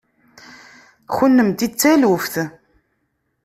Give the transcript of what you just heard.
Kennemti d taluft.